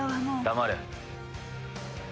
黙れ。